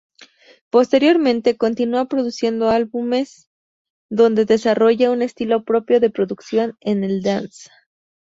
Posteriormente continua produciendo álbumes donde desarrolla un estilo propio de producción en el dance.